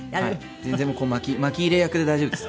全然もうまき入れ役で大丈夫です。